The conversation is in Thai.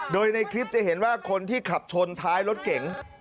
โดยในคลิปจะเห็นว่าคนที่ขับชนท้ายรถเก๋ง